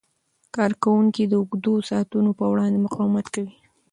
کارکوونکي د اوږدو ساعتونو په وړاندې مقاومت کوي.